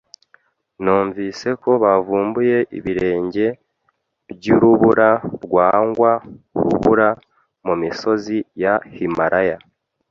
Numvise ko bavumbuye ibirenge byurubura rwangwa urubura mumisozi ya Himalaya